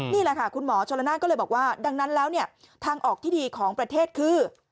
นี่แหละค่ะคุณหมอชนละนานก็เลยบอกว่าดังนั้นแล้วเนี่ยทางออกที่ดีของประเทศคือ